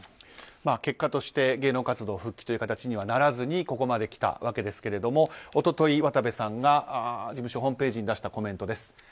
結果として芸能活動復帰という形にはならずにここまで来たわけですが一昨日、渡部さんが事務所ホームページに出したコメントです。